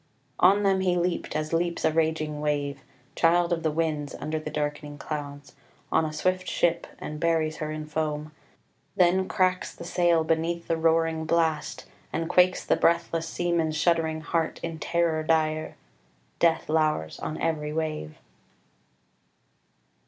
"On them he leaped, as leaps a raging wave, Child of the winds, under the darkening clouds, On a swift ship, and buries her in foam; Then cracks the sail beneath the roaring blast, And quakes the breathless seamen's shuddering heart In terror dire: death lours on every wave."